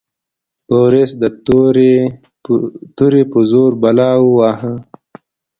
بوریس د تورې په زور بلا وواهه.